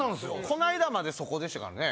この間までそこでしたからね。